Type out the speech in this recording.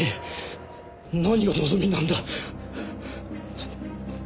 何が望みなんだ？